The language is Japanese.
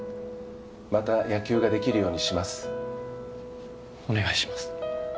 また野球ができるようにしますお願いします